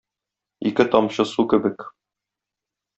Ике тамчы су кебек.